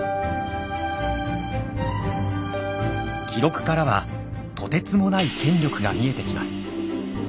記録からはとてつもない権力が見えてきます。